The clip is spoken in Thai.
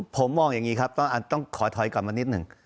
ผมมองอย่างนี้ครับต้องขอถอยกลับมานิดหนึ่ง